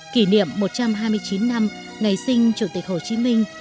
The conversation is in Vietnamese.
kỷ niệm một trăm hai mươi chín năm ngày sinh chủ tịch hồ chí minh